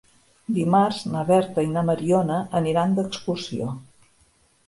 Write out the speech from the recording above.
Dimarts na Berta i na Mariona aniran d'excursió.